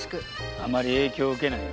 あまり影響受けないようにね。